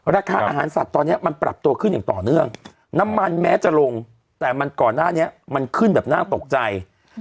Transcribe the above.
ราคาอาหารสัตว์ตอนนี้มันปรับตัวขึ้นอย่างต่อเนื่องน้ำมันแม้จะลงแต่มันก่อนหน้านี้มันขึ้นแบบน่าตกใจ